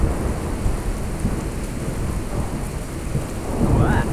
伽罗瓦连接不唯一的确定自闭包算子。